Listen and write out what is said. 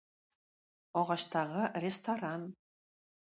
Агачтагы ресторан